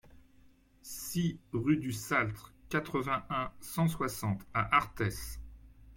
six rue du Saltre, quatre-vingt-un, cent soixante à Arthès